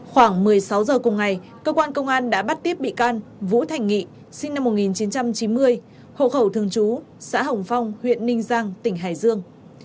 khoảng một mươi sáu h cùng ngày công an đã bắt tiếp bị can vũ thành nghị sinh năm một nghìn chín trăm chín mươi hộ khẩu thương chú xã hồng phong huyện ninh giang tỉnh hải dương